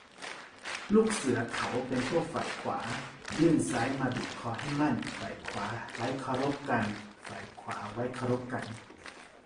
ลูกเสือเขาเป็นพวกฝ่ายขวา ยื่นซ้ายมาบีบคอให้มั่น ฝ่ายขวาไว้เคารพกัน ฝ่ายขวาไว้เคารพกัน